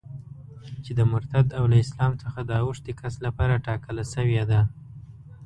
چي د مرتد او له اسلام څخه د اوښتي کس لپاره ټاکله سوې ده.